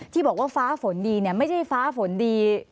ที่บอกว่าฟ้าฝนดีไม่ใช่ฟ้าฝนดี